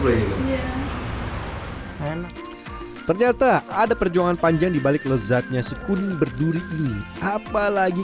lu ini lho ternyata ada perjuangan panjang dibalik lezatnya si puding berduri ini apalagi